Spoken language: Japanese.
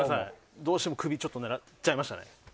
どうしても首狙っちゃいましたね。